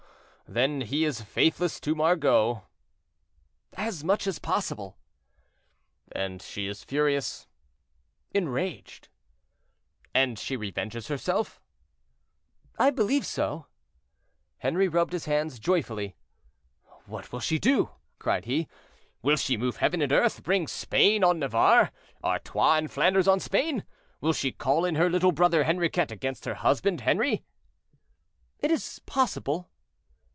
"Then he is faithless to Margot?" "As much as possible." "And she is furious?" "Enraged." "And she revenges herself?" "I believe so." Henri rubbed his hands joyfully. "What will she do?" cried he. "Will she move heaven and earth—bring Spain on Navarre—Artois and Flanders on Spain? Will she call in her little brother Henriquet against her husband Henri?" "It is possible."